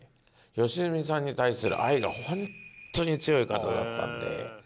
良純さんに対する愛がホントに強い方だったんで。